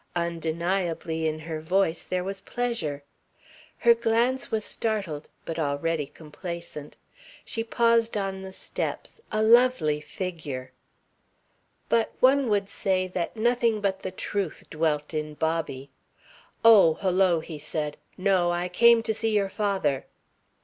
Undeniably in her voice there was pleasure. Her glance was startled but already complacent. She paused on the steps, a lovely figure. But one would say that nothing but the truth dwelt in Bobby. "Oh, hullo," said he. "No. I came to see your father."